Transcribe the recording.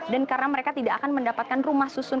dan karena mereka tidak akan mendapatkan rumah susun